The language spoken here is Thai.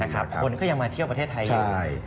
คนก็ยังมาเที่ยวประเทศไทยอยู่